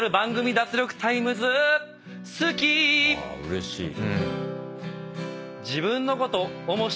うれしい。